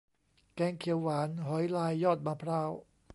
แกงเขียวหวานหอยลายยอดมะพร้าว